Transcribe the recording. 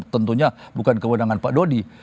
tentunya bukan kewenangan pak dodi